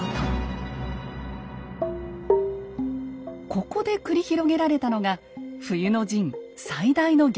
ここで繰り広げられたのが冬の陣最大の激戦です。